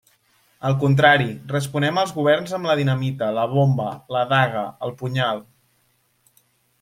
Al contrari, responem als governs amb la dinamita, la bomba, la daga, el punyal.